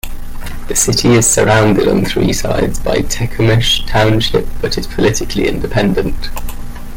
The city is surrounded on three sides by Tecumseh Township, but is politically independent.